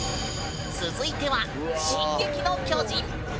続いては「進撃の巨人」！